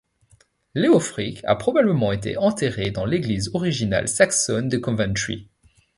Leofric a probablement été enterré dans l'église originale saxonne de Conventry.